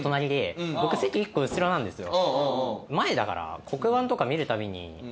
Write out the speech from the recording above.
前だから。